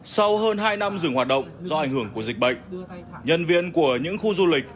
sau hơn hai năm dừng hoạt động do ảnh hưởng của dịch bệnh nhân viên của những khu du lịch